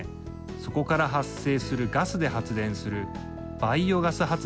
そこから発生するガスで発電するバイオガス発電です。